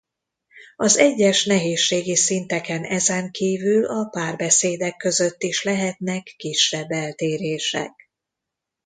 Az egyes nehézségi szinteken ezenkívül a párbeszédek között is lehetnek kisebb eltérések.